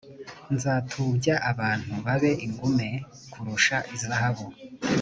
nzatubya abantu babe ingume kurusha izahabu